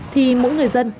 thì mỗi người dân